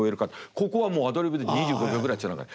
ここはもうアドリブで２５秒ぐらいつなげる。